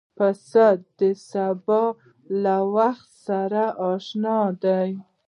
پسه د سبا له وخت سره اشنا دی.